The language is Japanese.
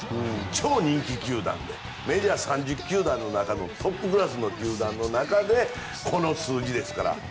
超人気球団でメジャー３０球団の中のトップクラスの球団の中でこの数字ですから。